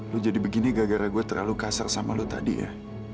lo jadi begini gara gara gue terlalu kasar sama lo tadi ya